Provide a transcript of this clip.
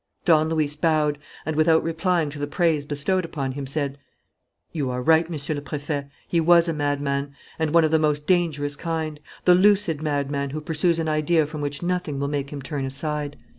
Don Luis bowed and, without replying to the praise bestowed upon him, said: "You are right, Monsieur le Préfet; he was a madman, and one of the most dangerous kind, the lucid madman who pursues an idea from which nothing will make him turn aside.